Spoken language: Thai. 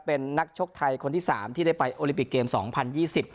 เป็นนักชกไทยคนที่สามที่ได้ไปโอลิปิกเกมสองพันยี่สิบ